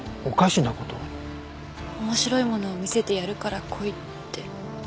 面白いものを見せてやるから来いって。